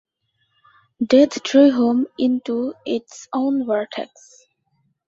Death drew him into its own vortex.